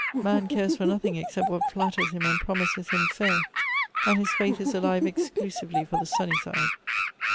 Man cares for nothing except what flattere him and promises him fair ; and his faith'"is alive exclusively for the sunny side."